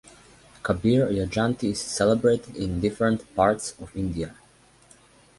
Kabir Jayanti is celebrated in different parts of India.